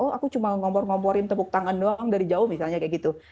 aku cuma ngompor ngomporin tepuk tangan doang dari jauh misalnya kayak gitu